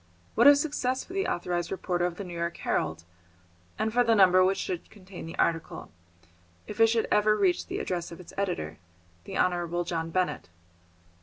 What a success for the authorised reporter of the New York Herald, and for the number which should contain the article, if it should ever reach the address of its editor, the Honourable John Benett!